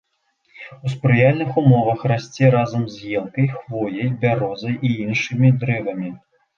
У спрыяльных умовах расце разам з елкай, хвояй, бярозай і іншымі дрэвамі.